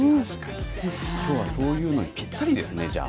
きょうはそういうのにぴったりですね、じゃあ。